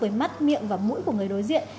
với mắt miệng và mũi của người đối diện